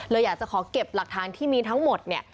อยากจะขอเก็บหลักฐานที่มีทั้งหมดเนี่ย